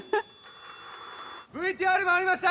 ＶＴＲ回りました。